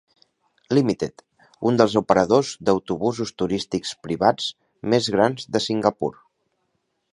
Limited, un dels operadors d'autobusos turístics privats més grans de Singapur.